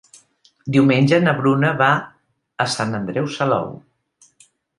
Diumenge na Bruna va a Sant Andreu Salou.